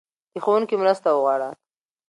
له ښوونکي مرسته وغواړه.